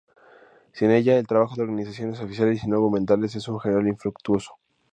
Sin ella, el trabajo de organizaciones oficiales y no gubernamentales es en general infructuoso.